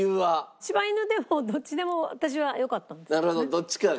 柴犬でもどっちでも私はよかったんですけどね。